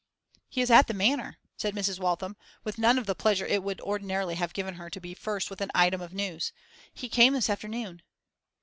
'He is at the Manor,' said Mrs. Waltham, with none of the pleasure it would ordinarily have given her to be first with an item of news. 'He came this afternoon.